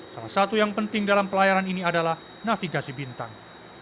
salah satu yang penting dalam pelayaran ini adalah navigasi bintang